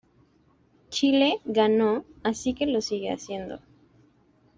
Chile ganó, así que lo sigue haciendo.